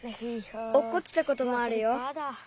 おっこちたこともあるよ。